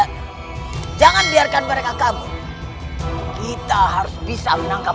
kalau tidak mereka berhasilan mencoloknya